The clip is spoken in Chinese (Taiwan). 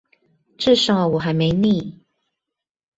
至少我還沒膩